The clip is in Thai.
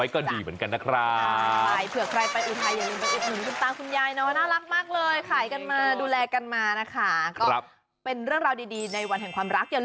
อ้าว